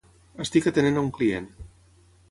Estic atenent a un client.